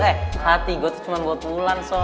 eh hati gue tuh cuma buat wulan so